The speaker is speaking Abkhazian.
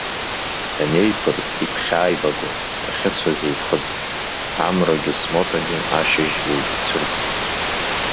Ианеиԥырҵ игәхьааибаго, иахьыцәаз еиԥхыӡт, Амрагьы смоҭагьы ашьыжь еиццәырҵт.